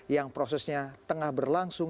yang prosesnya tengah berlangsung